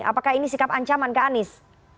apakah ini sikap ancaman ke anies